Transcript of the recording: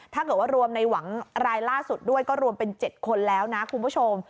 ถ้าเกิดว่ารวมในหวังรายล่าสุดด้วยก็รวมเป็น๗คนแล้วนะคุณผู้ชม